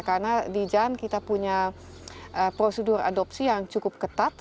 karena di jan kita punya prosedur adopsi yang cukup ketat